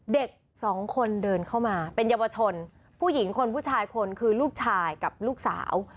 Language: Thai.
เด็กสองคนเดินเข้ามาเป็นเยาวชนผู้หญิงคนผู้ชายคนคือลูกชายกับลูกสาว